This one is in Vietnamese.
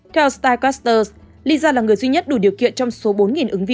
theo stylecasters lisa là người duy nhất đủ điều kiện trong số bốn ứng dụng